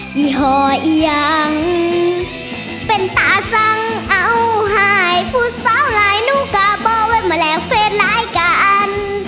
ยี่ห่อยยังเป็นตาสังเอ้าหายผู้เศร้าหลายนูกกะบ่เว้นมาแลกเฟสหลายกัน